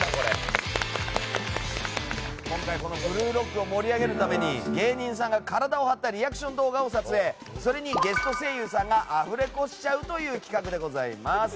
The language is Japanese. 「ブルーロック」を盛り上げるために芸人さんが体を張ったリアクション動画を撮影それにゲスト声優さんがアフレコしちゃうという企画でございます。